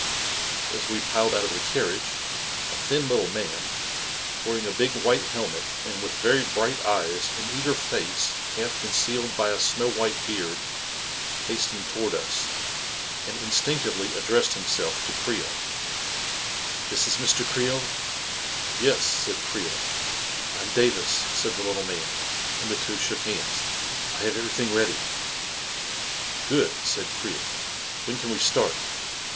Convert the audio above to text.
As we piled out of the carriage, a thin little man, wearing a big white helmet and with very bright eyes and eager face half concealed by a snow white 91 92 A KING IN BABYLON beard, hastened toward us, and instinctively ad dressed himself to Creel. "This is Mr. Creel?" " Yes," said Creel. " I am Davis," said the little man, and the two shook hands. " I have everything ready." " Good," said Creel. " When can we start?